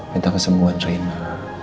minta kesembuhan reina